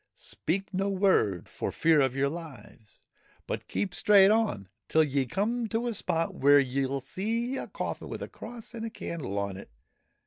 Speak no word, for fear of your lives, but keep straight on till ye come to a spot where ye '11 see a coffin with a cross and a candle on it.